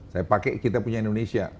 saya pakai kita punya indonesia